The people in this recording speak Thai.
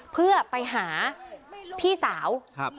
เพื่อไปหาพี่สาว